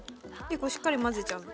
結構しっかり混ぜちゃう？